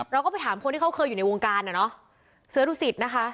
เราก็ไปถามคนที่เขาเคยอยู่ในวงการอ่ะเนอะเสือดุสิตนะคะ